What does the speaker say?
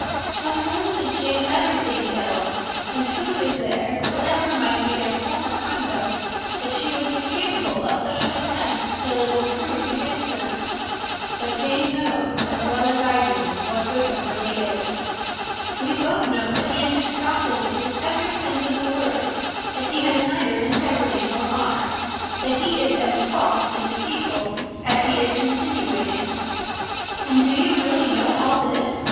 "Of whom does Jane ever think ill? And who is there, whatever might be their former conduct, that she would believe capable of such an attempt, till it were proved against them? But Jane knows, as well as I do, what Wickham really is. We both know that he has been profligate in every sense of the word; that he has neither integrity nor honour; that he is as false and deceitful as he is insinuating." "And do you really know all this?"